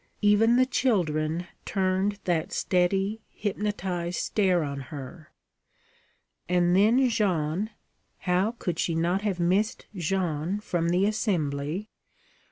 Even the children turned that steady, hypnotized stare on her. And then Jeanne how could she not have missed Jeanne from the assembly?